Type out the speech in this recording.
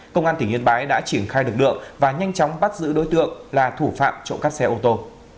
công an tỉnh yên bái đã triển khai lực lượng và nhanh chóng bắt giữ đối tượng là thủ phạm trộm cắp xe ô tô